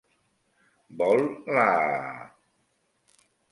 Vol la...?